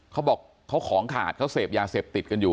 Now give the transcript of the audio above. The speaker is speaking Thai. เขาบอกเขาของขาดเขาเสพยาเสพติดกันอยู่